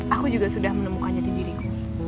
aku juga sudah menemukan jati diriku